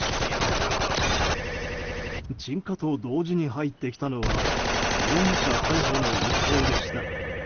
鎮火と同時に入ってきたのは容疑者逮捕の一報でした。